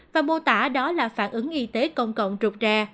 và mô tả đó là phản ứng y tế công cộng rụt rè